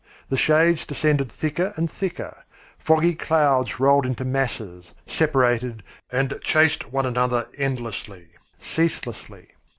The shades descended thicker and thicker; foggy clouds rolled into masses, separated, and chased one another endlessly, ceaselessly.